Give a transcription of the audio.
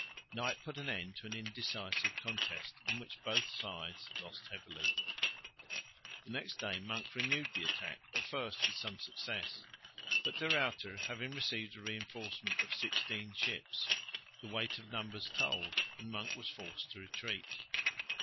Night put an end to an indecisive contest, in which both sides lost heavily. The next day Monk renewed the attack, at first with some success; but, De Ruyter having received a reinforcement of sixteen ships, the weight of numbers told and Monk was forced to retreat.